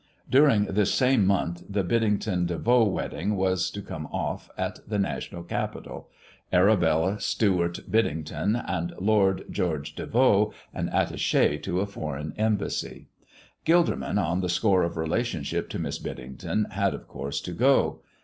During this same month the Biddington De Vaux wedding was to come off at the national capital Arabella Stewart Biddington and Lord George De Vaux, an attaché to a foreign embassy. Gilderman, on the score of relationship to Miss Biddington, had, of course, to go.